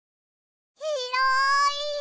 ひろい！